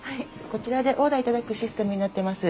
こちらでオーダーいただくシステムになっています。